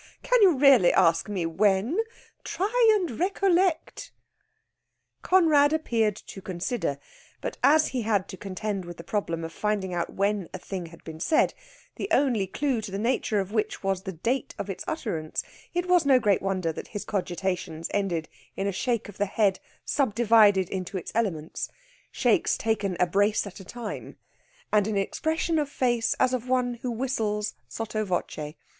Can you really ask me, 'When?' Try and recollect!" Conrad appeared to consider; but as he had to contend with the problem of finding out when a thing had been said, the only clue to the nature of which was the date of its utterance, it was no great wonder that his cogitations ended in a shake of the head subdivided into its elements shakes taken a brace at a time and an expression of face as of one who whistles sotto voce.